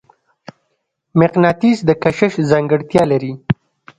مقناطیس د کشش ځانګړتیا لري.